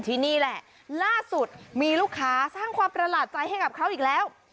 ที่นี่แหละล่าสุดมีลูกค้าสร้างความประหลาดใจให้กับเขาอีกแล้ว